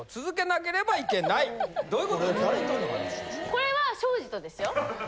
これは庄司とですよ。